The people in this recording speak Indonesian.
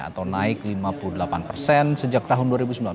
atau naik lima puluh delapan persen sejak tahun dua ribu sembilan belas